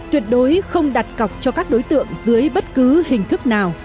tuyệt đối không đặt cọc cho các đối tượng dưới bất cứ hình thức nào